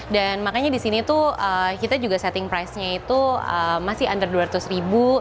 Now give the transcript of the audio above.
dan makanya disini tuh kita juga setting price nya itu masih under dua ratus ribu